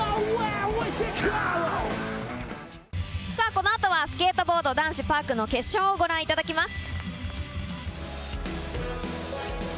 この後はスケートボード男子パークの決勝をご覧いただきます。